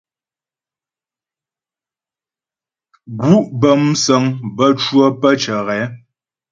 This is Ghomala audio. Gǔ' bə́ músəŋ bə́ cwə́ pə́ ghɛ.